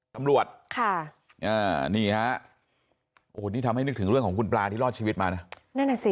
ตำรวจนี่ฮะโอ้โฮนี่ทำให้นึกถึงเรื่องของคุณปลาที่รอดชีวิตมานะ